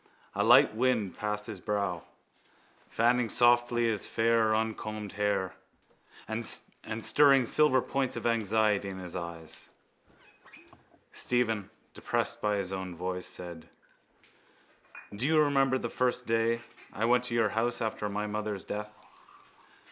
A light wind passed his brow, fanning softly his fair uncombed hair and stirring silver points of anxiety in his eyes. Stephen, depressed by his own voice, said: —Do you remember the first day I went to your house after my mother's death?